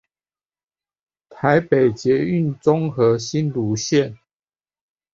臺北捷運中和新蘆線